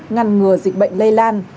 ngăn ngừa dịch bệnh lây lan